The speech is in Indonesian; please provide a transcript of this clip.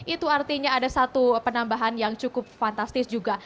itu artinya ada satu penambahan yang cukup fantastis juga